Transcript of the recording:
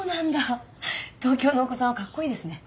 東京のお子さんはかっこいいですね。